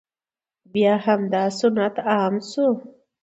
بیا همدا سنت عام شو،